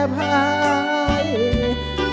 จริง